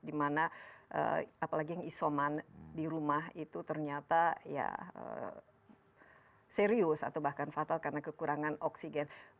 dimana apalagi yang isoman di rumah itu ternyata ya serius atau bahkan fatal karena kekurangan oksigen